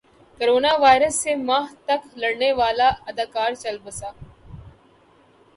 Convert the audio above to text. corona virus سے ماہ تک لڑنے والا اداکار چل بسا